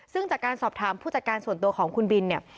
ซึ่งจากการสอบถามผู้จัดการส่วนตัวของคุณบินเนี่ย